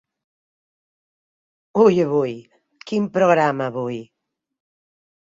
Ui avui, quin programa, avui!